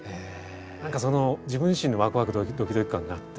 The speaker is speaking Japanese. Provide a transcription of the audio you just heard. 何かその自分自身もワクワクドキドキ感があって。